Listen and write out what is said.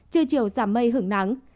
trưa chiều giảm mây hứng nắng